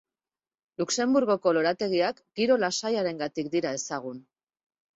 Luxenburgoko lorategiak giro lasaiarengatik dira ezagun.